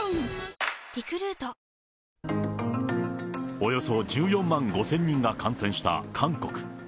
およそ１４万５０００人が感染した韓国。